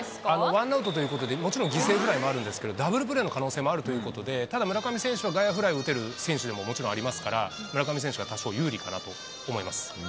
ワンアウトということで、もちろん犠牲フライもあるんですけど、ダブルプレーの可能性もあるということで、ただ、村上選手は外野フライを打てる選手でももちろんありますから、村上選手は多少有利かなと思います。